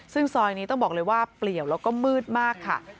ซึ่งซอยนี้ต้องบอกเลยว่าเปลี่ยวแล้วก็มืดมากค่ะ